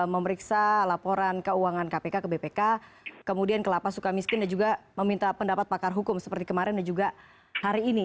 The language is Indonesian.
memeriksa laporan keuangan kpk ke bpk kemudian ke lapas suka miskin dan juga meminta pendapat pakar hukum seperti kemarin dan juga hari ini